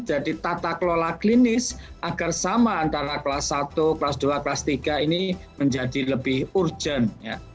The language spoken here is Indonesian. dari tata kelola klinis agar sama antara kelas satu kelas dua kelas tiga ini menjadi lebih urgent